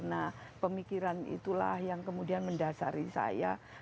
nah pemikiran itulah yang kemudian mendasari saya